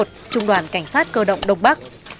trung đoàn cảnh sát cơ động đông bắc